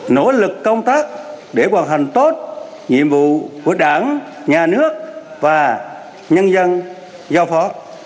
nỗ lực công tác để hoàn thành tốt nhiệm vụ của đảng nhà nước và nhân dân giao phó